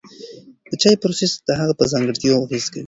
د چای پروسس د هغه پر ځانګړتیاوو اغېز کوي.